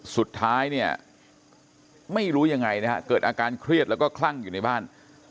สุดท้ายเนี่ยไม่รู้ยังไงนะฮะเกิดอาการเครียดแล้วก็คลั่งอยู่ในบ้าน